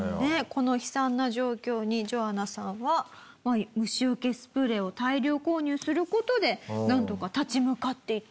この悲惨な状況にジョアナさんは虫よけスプレーを大量購入する事でなんとか立ち向かっていったと。